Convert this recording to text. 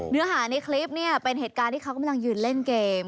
เนื้อหาในคลิปเนี่ยเป็นเหตุการณ์ที่เขากำลังยืนเล่นเกม